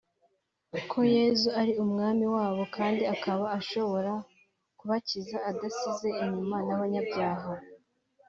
ko Yesu ari Umwami wabo kandi akaba ashobora kubakiza adasize inyuma n’abanyabyaha